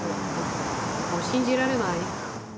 もう信じられない。